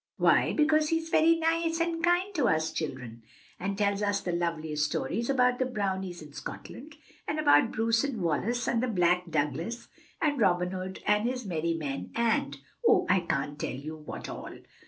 "Why, because he's very nice and kind to us children, and tells us the loveliest stories about the brownies in Scotland and about Bruce and Wallace and the black Douglass and Robin Hood and his merry men, and oh, I can't tell you what all!"